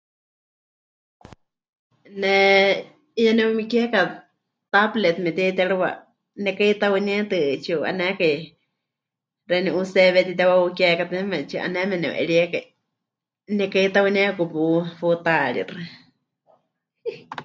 "Ne 'iyá ne'umikieka ""tablet"" memɨte'itérɨwa, nekaheitauníetɨ, tsipɨ'anékai xeeníu USB mɨtitewá heukekátɨ yeme tsi'aneme nepɨ'eriekai, nekaheitauniekaku pu... putaaríxɨ."